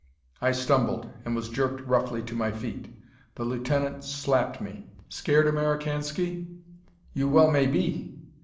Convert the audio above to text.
I stumbled, and was jerked roughly to my feet. The lieutenant slapped me. "Scared, Americansky? You well may be.